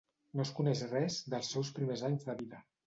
No es coneix res dels seus primers anys de vida.